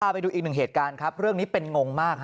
ไปดูอีกหนึ่งเหตุการณ์ครับเรื่องนี้เป็นงงมาก